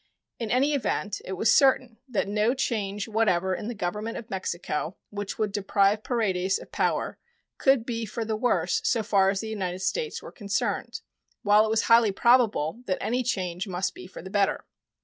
In any event, it was certain that no change whatever in the Government of Mexico which would deprive Paredes of power could be for the worse so far as the United States were concerned, while it was highly probable that any change must be for the better.